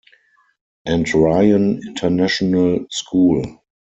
And Ryan International School.